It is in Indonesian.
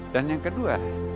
dan yang kedua